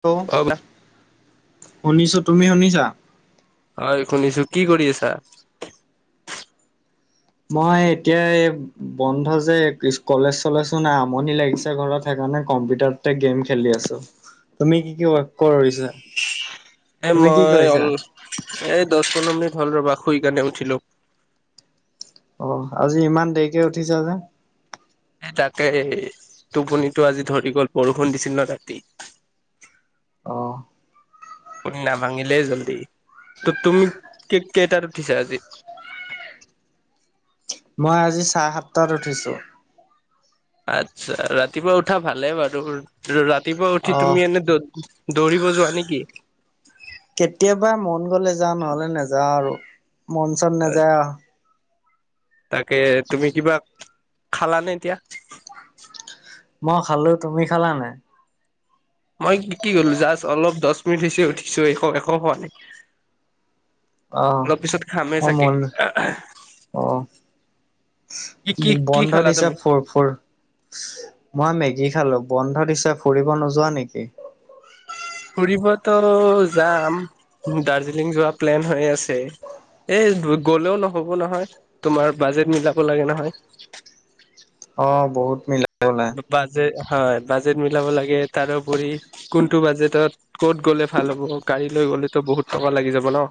ল্ল অ শুনিছো, তুমি শুনিছা? হয় শুনিছো, কি কৰি আছা? মই এতিয়া এই বন্ধ যে কলেজ চলেজও নাই আমনি লাগিছে ঘৰত। সেইকাৰণে কম্পিউটাৰ গেম খেলি আছো। তুমি কি কি ৱৰ্ক কৰিছা? এ তুমি কি মই কৰিছা? অল এ দছ পোন্ধৰ মিনিট হল ৰবা, শুই গেণে উঠিলো। অ আজি ইমান দেৰিকে উঠিছা যে? এ তাকে এই টোপনিটো আজি ধৰি গ'ল বৰষুণ দিছিল ন ৰাতি। অঁ। টোপনি নাভাঙিলেই জল্দি, ত তুমি কে কেইটাত উঠিছা আজি? মই আজি চাহ সাতটাত উঠিছো। আচ্ছা ৰাতিপুৱা উঠা ভালে বাৰু। ৰাতিপুৱা উঠি অ' তুমি এনে দৌ দৌৰিব যোৱা নেকি? কেতিয়াবা মন গলে যা নহলে নেযাওঁ আৰু, মন চন নেযায় আও। তাকে তুমি কিবা খালানে এতিয়া? মই খালো, তুমি খালা নাই? মই কি কি গলো জাষ্ট অলপ দছ মিনিট হৈছে উঠিছো, একো একো খোৱা নাই। অহ অলপ পিছত খামে অহ চাগে মইও অহ। কি কি কি বন্ধ খালা দিছে তুমি ফোৰ ফোৰ। মই মেগী খালো, বন্ধ দিছে ফুৰিব নোযোৱা নেকি? ফুৰিবতো যাম, দাৰ্জিলিং যোৱা প্লেন হৈ আছে। এই গ'লেও নহ'ব নহয়, তোমাৰ বাজেট মিলাব লাগে নহয়। অ বহুত মিলব লাগে। বাজেট হয় বাজেট মিলাব লাগে তাৰোপৰি কোনটো বাজেটত ক'ত গ'লে ভাল হ'ব, গাড়ী লৈ গ'লেতো বহুত টকা লাগি যাব ন।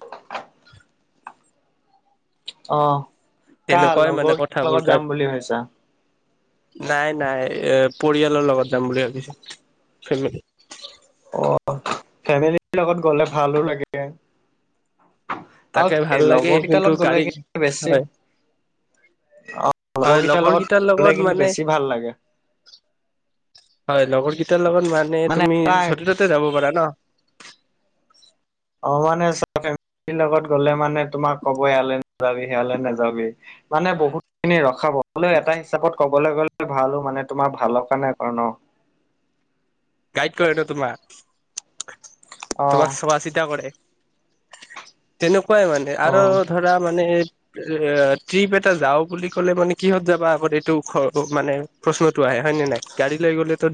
অ কা তেনেকুৱাই মানে লগৰ ক কথাবোৰ লগত গাত যাম বুলি ভাবিছা? নাই নাই এ পৰিয়ালৰ লগত যাম বুলি ভাবিছো, ফেমেলী। অ ফেমিলিৰ লগত গলে ভালো লাগে। তাকে আৰু ভাল লাগে লগৰ কেইটা কিন্তু লগত গ'লে গাড়ী কিন্তু বেছি হয় অ হয় লগকেইটাৰ লগৰ লগত কেইটাৰ গলে কিন্তু মানে বেছি ভাল লাগে। হয় লগৰকেইটাৰ লগত মানে তুমি যতে ততে যাব পাৰা ন? অ মানে চোৱা ফেমেলী লগত গলে মানে তোমাক কব ইয়ালে নেযাবি সেয়ালে নেযাবি। মানে হয় বহুত খিনি ৰখাব হ'লেও এটা হিচাপত কবলে গলে ভালো মানে তোমাৰ ভালৰ কাৰণে কয় ন। গাইড কৰে ন তোমাক, অ তোমাক চোৱা চিতা কৰে। তেনেকুৱাই মানে অ আৰু ধৰা মানে এ ট্ৰিপ এটা যাওঁ বুলি ক'লে মানে কিহত যাবা আগতে এইটো ও মানে প্ৰশ্নটো আহে হয় নে নাই? গাড়ী লৈ গ'লেতো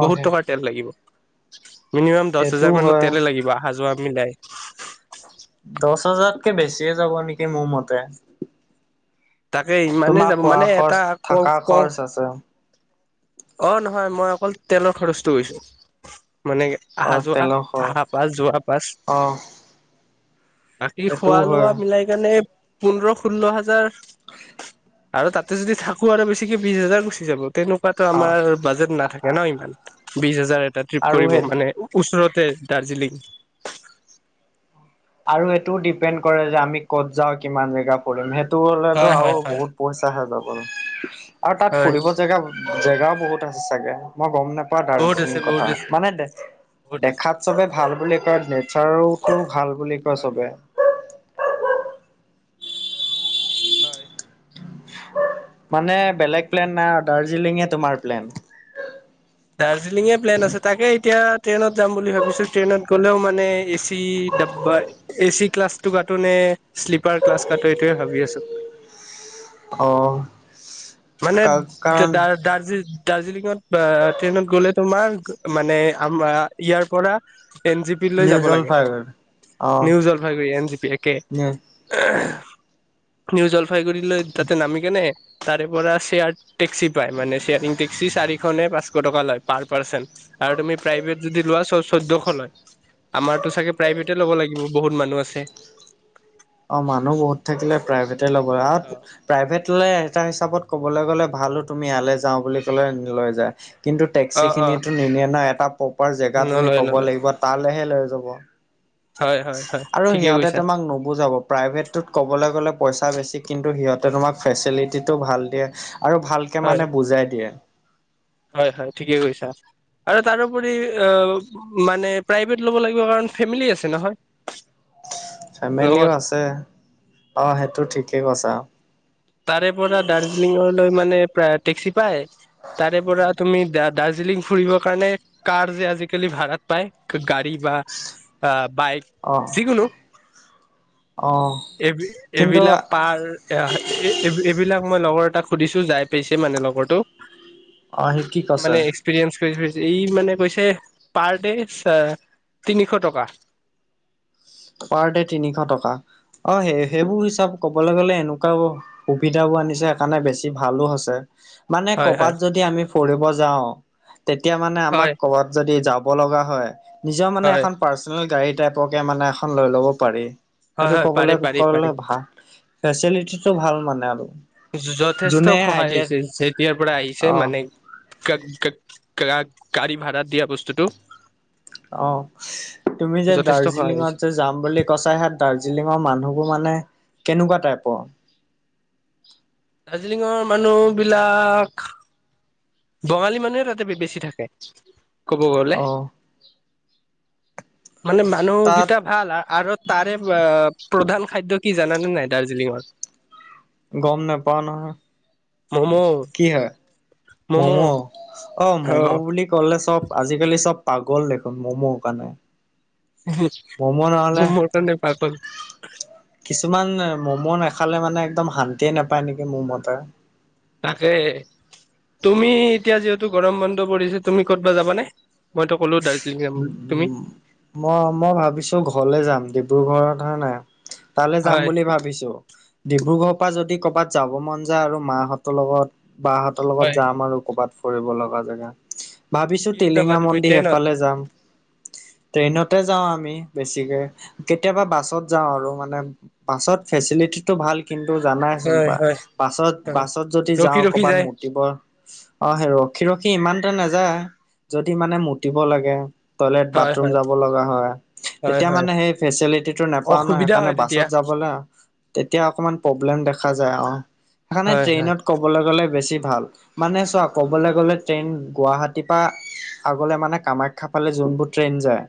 অ বহুত সেই টকাৰ তেল লাগিব। মিনিমাম দছ সেইটোও হোজাৰ মানৰ হয় তেলে লাগিব অহা যোৱা মিলাই। দছ হাজাৰতকে বেছিয়ে যাব নেকি মোৰ মতে। তাকে ইমানে তোমাৰ যাব খোৱা মানে খৰচ এটা ক থকা কওঁ খৰচ আছে অ নহয় মই অকল তেলৰ খৰচটো কৈছোঁ, মানে কে অ আহা যোৱা তেলৰ খৰচ আহা পাছ যোৱা পাছ অ বাকী সেইটোও খোৱা হয় লোৱা মিলাই কেনে পোন্ধৰ ষোল্ল হাজাৰ [inaudible] আৰু তাতে যদি থাকো আৰু বেছিকে বিশ হাজাৰ গুচি যাব, তেনকুৱাতো অ আমাৰ বাজেট নাথাকে ন ইমান। বিশ হাজাৰ এটা ট্ৰিপ আৰু কৰিব সেই মানে ওচৰতে দাৰ্জিলিং। আৰু এইটোও ডিপেণ্ড কৰে যে আমি ক'ত যাওঁ কিমান জেগা ফুৰিম, সেইটো হ'লেতো হয় হয় আৰু হয় বহুত পইচা হে যাব, আৰু তাত হয় ফুৰিব জেগা জেগাও বহুত আছে চাগে মই গম নেপ নেপাওঁ বহুত আছে দাৰ্জিলিং বহুত কথা আছে মানে দে বহুত আছে। দেখাত চবে ভাল বুলি কয় নেচাৰোতো ভাল বুলি কয় হয় চবে হয় মানে বেলেগ প্লেন নাই আও দাৰ্জিলিঙে তোমাৰ প্লেন দাৰ্জিলিঙে প্লেন আছে তাকে এতিয়া ট্ৰেইনত যাম বুলি ভাবিছো ট্ৰেইনত গ'লেও মানে এ চি ডাবা এচি ক্লাছটো কাটো নে শ্লিপাৰ ক্লাছ কাটো এইটোয়ে ভাবি আছো অহ মানে দাৰ দাৰ্জি দাৰ্জিলিঙত এ ট্ৰেইনত গ'লে তোমাৰ মানে আমাৰ ইয়াৰ পৰা এন জি পিলৈ নিউ যাব লাগে জলপাইগুৰি অ' new Jalpaiguri N G P একে নিউ নিউ জলপাইগুৰিলৈ তাতে নামি কেনে তাৰে পৰা চেয়াৰ টেক্সি পায় মানে শেয়াৰিং টেক্সি চাৰিশ নে পাঁচ শ টকা লয় পাৰ পাৰ্চেন আৰু তুমি প্ৰাইভেট যদি লোৱা চ চৈধ্যশ লয় আমাৰতো চাগে প্ৰাইভেটে ল'ব লাগিব বহুত মানুহ আছে অ মানুহ বহুত থাকিলে প্ৰাইভেটে ল'ব আৰু প্ৰাইভেট ললে এটা হিচাপত কবলৈ গলে ভালো তুমি ইয়ালৈ যাও বুলি কলে লৈ যায় কিন্তু অ অ টেক্সিখিনিয়েতো নিনিয়ে না এটা প্ৰপাৰ জেগা তুমি নলয় ক'ব নলয় লাগিব তালেহে লৈ যাব হয় হয় হয় আৰু ঠিকে সিহঁতে কৈছা তোমাক নুবুজাব প্ৰাইভেটটোত ক'বলৈ গ'লে পইচা বেছি কিন্তু সিহঁতে তোমাক ফেচিলিটিটো ভাল দিয়ে আৰু ভালকে হয় মানে বুজাই দিয়ে হয় হয় ঠিকে কৈছা আৰু তাৰোপৰি অ মানে প্ৰাইভেট ল'ব লাগিব কাৰণ ফেমিলি আছে নহয় লগত ফেমিলিও আছে অ সেইটো ঠিকেই কৈছা তাৰে পৰা দাৰ্জিলিঙলৈ মানে প্ৰায় টেক্সি পায় তাৰে পৰা তুমি দা দাৰ্জিলিং ফুৰিবৰ কাৰণে কাৰ যে আজিকালি ভাড়াত পায় গাড়ী বা আ বাইক অ' যিকোনো অ' এই কিন্তু এইবিলাক পাৰ এ এইবিলাক মই লগৰ এটাক সুধিছো যাই পাইছে মানে লগৰটো অহ সি কি কৈছে এক্সপৰিয়েঞ্চ কৰি কৈছে ই মানে কৈছে পাৰ ডে তিনিশ টকা পাৰ দে তিনিশ টকা অ সেই সেইবোৰ হিচাপ কবলৈ গ'লে এনেকোৱাও সুবিধাবোৰ আনিছে সেইকাৰণে বেছি ভালো হৈছে মানে হয় হয় কৰবাত যদি আমি ফৰিব যাও তেতিয়া মানে হয় আমাক কৰবাত যদি যাও যাব লগা হয় নিজৰ মানে হয় পৰ্চনেল গাড়ী টাইপৰকে মানে এখন লৈ লব পাৰি হয় সেইটো হয় পাৰি কবলৈ পাৰি পাৰি কবলে ভাল ফেচিলিটিটো ভাল মানে আৰু যথেষ্ট যোনে সহায় আইডিয়া হৈছে যেতিয়াৰ পৰা আহিছে অ মানে গা গা গাড়ী ভাড়া দিয়া বস্তুটো অ তুমি যে যথেষ্ট সহায় হৈছে দাৰ্জিলিঙত যে যাম বুলি কৈছা সেয়াত দাৰ্জিলিঙৰ মানুহবোৰ মানে কেনেকোৱা টাইপৰ দাৰ্জিলিঙৰ মানুহ বিলাক বঙালী মানুহে তাতে বেছি থাকে কব গলে অ মানে তাত মানুহকেইটা ভাল আৰু তাৰে প্ৰধান খাদ্য কি জানানে নাই দাৰ্জিলিঙৰ গম নেপাও নহয় কি হয় মমো মম' অ ম'ম' বুলি ক'লে চব আজিকালি চব পাগল দেখোন ম'ম' কাৰণে হুম মমো নহ'লে কিছুমান মমো নাখালে মানে একদম শান্তিয়ে নোপায় নেকি মোৰ মতে তাকে তুমি এতিয়া যিহেতু গৰম বন্ধ পৰিছে তুমি ক'তবা যাব নে মইতো কলো দাৰ্জিলিং যাম উ বুলি তুমি উ মই মই ভাবিছো ঘৰলে যাম ডিব্ৰুগড়ত হে নাই তালে যাম হয় বুলি ভাবিছো ডিব্ৰুগড়ৰ পৰা যদি কৰ'বাত যাব মন যায় আৰু মাহঁতৰ লগত বাহত লগত হয় যাম আৰু কবাত ফুৰিব লগা জগা ভাবিছো কিহত যাবা টিলিঙা তুমি মন্দিৰ ট্ৰেইনত সেইফালে যাম [inaudible] ট্ৰেইনতে যাও আমি বেছিকে কেতিয়াবা বাছত যাওঁ আৰু মানে পাছত ফেচিটি ভাল কিন্তু জানাইচোন হয় বা হয় বাছত হয় বাছত যদি ৰখি যাওঁ ৰখি কবাত যায় মতিব অ সেই ৰখি ৰখি ইমানতে নাযায় যদি মানে মুতিব লাগে টয়লেট হয় বাথৰুম হয় যাব লগা হয় হয় তেতিয়া হয় মানে সেই ফেচিলিটিটো নোপাও ন অসুবিধা সেইকাৰণে হয় তেতিয়া বাছত যাবলৈ তেতিয়া অকমান প্ৰব্লেম দেখা যায় আৰু সেইকাৰণে হয় হয় ট্ৰেইনত কবলৈ গলে বেছি ভাল মানে চোৱা ক'বলৈ গ'লে ট্ৰেইন গুৱাহাটীৰ পৰা আগলৈ মানে কামাখ্যা খা পালে যোনবোৰ ট্ৰেইন যায়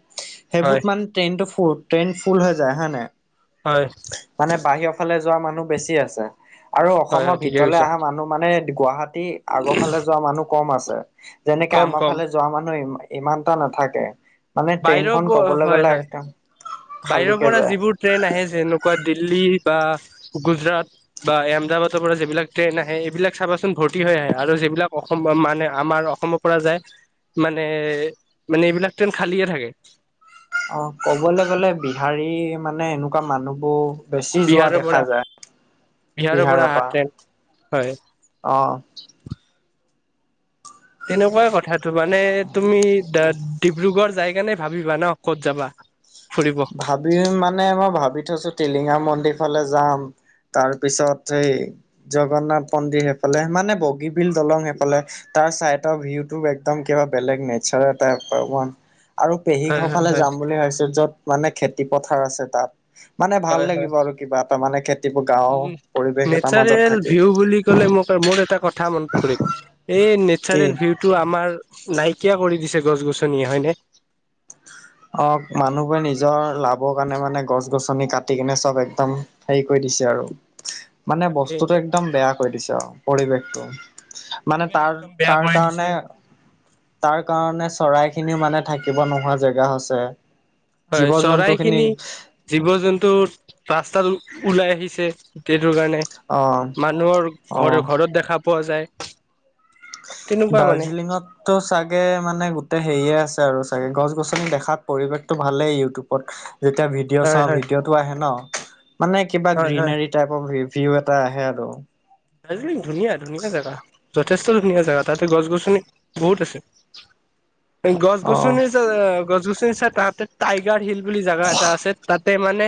হয় সেইবোৰত মানে ট্ৰেইনটো ফুল ট্ৰেইন ফুল হৈ যায় হয় নাই হয় মানে বাহিৰৰ ফালে যোৱা মানুহ বেছি আছে আৰু হয় অসমৰ হয় ঠিকে ভিতৰেলে কৈছা অহা মানুহ মানে গুৱাহাটী আগৰ ফালে যোৱা মানুহ কম আছে যেনেকে কম আমাৰ কম ফালে যোৱা মানুহ ই ইমানটা নাথাকে মানে ট্ৰেইন বাহিৰৰ খ কবলৈ হয় গ'লে হয় একদম বাহিৰৰ খালীকে পৰা যায় যিবোৰ ট্ৰেইন আহে যেনেকুৱা দিল্লী বা গুজৰাট বা আহমদাবাদৰ পৰা যিবিলাক ট্ৰেইন আহে এইবিলাক চাবাচোন ভৰ্তি হৈ আহে আৰু যিবিলাক অসম মানে আমাৰ অসমত পৰা যায় মানে মানে এইবিলাক টন খালিয়ে থাকে অ ক'বলৈ গ'লে বিহাৰী মানে এনেকুৱা মানুহবোৰ বেছি যোৱা বিহাৰৰ পৰা দেখা যায় বিহাৰৰ পৰা হয় অ তেনেকুৱাই কথাটো মানে তুমি ডিব্ৰুগড় যাই কেণে ভাবিবা ন ক'ত যাবা ফুৰিব ভি মানে মই ভাবি থৈছো টিলিঙা মন্দিৰ ফালে যাম তাৰ পিছত সেই জগন্নাথ মন্দিৰ সেইফালে মানে বগীবিল দলং সেইফালে তাৰ চাইডৰ ভিউতটো একদম কিবা বেলেগ নেচাৰ আৰু পেহী ঘৰ হয় ফালে হয় যাম বুলি ভাবছো য'ত মানে খেতি পথাৰ আছে তাত মানে ভাল হয় হয় লাগিব আৰু কিবা এটা মানে খেতি গাওৰ উম, পৰিৱেশ এটাৰ মাজত থাকে লে মোক মোৰ এটা কথা মনত পৰিল এই কি নেচাৰেল বিউটি তটো আমাৰ নাইকিয়া কৰি দিছে গছ গছনিয়ে হয় নে অ মানুহবোৰে নিজৰ লাভৰ কাৰণে মানে গছ গছনি কাটি কিনে চব একদম হেৰি কৰি দিছে আৰু [inaudible] মানে বস্তুতটো একদম বেয়া কৰি দিছে আৰু পৰিৱেশটো মানে পৰিৱেশ তাৰ একদম বেয়া তাৰ কৰি দিছে। কাৰণে- তাৰ কাৰণে চৰাইখিনিও মানে থাকিব নোহোৱা জেগা হৈছে। হয়, জীৱ জন্তু চৰাই খিনি- জীৱ জন্তু ৰাস্তাত ওলাই আহিছে। সেইটো কাৰণে, অ মানুহৰ অ ঘৰে ঘৰত দেখা পোৱা যায়। তেনেকুৱা মানে দাৰ্জিলিঙত- তো চাগে মানে গোটেই হেৰিয়ে আছে আৰু চাগে গছ গছনি দেখাত পৰিৱেশতটো ভালেই ইউটিউবত। যেতিয়া ভিডিঅ'- ভিডিঅ' হয়, চাওঁ হয়, ভিডিঅ' টো আহে ন, মানে কিবা হয়, হয়। গ্ৰীনোৰী টাইপ অ ভিউ এটা আহে আৰু- দাৰ্জিলিং ধুনীয়া ধুনীয়া জাগা। যথেষ্ট ধুনীয়া জেগা তাতে গছ গছনি বহুত আছে গছ অ গছনিৰ গছ গছনিছাই তাহতে টাইগাৰ হিল বুলি জেগা এটা আছে তাত। তে মানে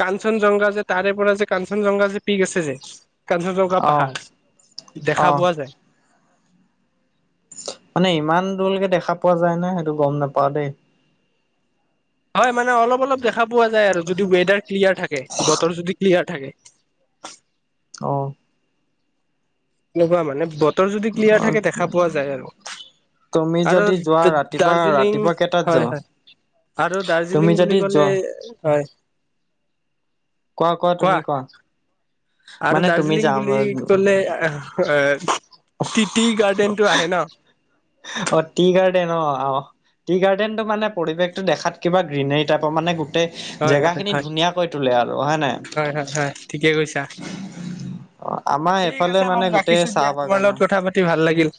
কাঞ্চন জংঘা যে তাৰে পৰা যে কাঞ্চন জংঘা যে পিক আছে যে। কাঞ্চ জংগা অ পাহাৰ অ দেখা পোৱা যায়। মানে ইমান দূৰলৈকে দেখা পোৱা যায় নে, সেইটো গম নাপাও দেই। হয় মানে অলপ অলপ দেখা পোৱা যায় আৰু যদি ৱেডাৰ ক্লিয়াৰ থাকে, বতৰ যদি ক্লিয়াৰ থাকে। অঁ। এনেকুৱা মানে বতৰ যদি ক্লিয়াৰ থাকে, দেখা পোৱা যায় আৰু। তুমি যদি যোৱা আৰু ৰাতিপুৱা দা-দাৰ্জিলিং ৰাতিপুৱা কেইটাত হয়ঁ যোৱা হয়ঁ। আৰু তুমি দাৰ্জিলিং যদি বুলি ক'লে যোৱা হয়। কোৱা, কোৱা তুমি কোৱা। আৰু মানে তুমি দাৰ্জিলিং যাম বুলি ক'লে এ টিটি গাৰ্ডেনটো আহে ন। অঁ! টি গাৰ্ডেন অহ', অহ'। টি গাৰ্ডেনটো মানে পৰিশ টো দেখাত কিবা গ্ৰীনেৰ টাইপৰ মানে। হয় হয় জেগা খিনি হয় ধুনীয়াকৈ তোলে আৰু হয় নাই। হয় হয় হয় ঠিকে কৈছা অঁ! আমাৰ ঠিক এইফালে আছে বাৰু মানে গোটেই ৰাখিছো দিয়া চাহ তোমাৰ বাগান লগত আও কথা পাতি ভাল লাগিল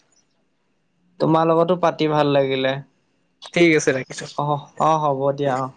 তোমাৰ লগতো পাতি ভাল লাগিলে। ঠিক আছে ৰাখিছো। অঁ অ' হ'ব দিয়া অ'।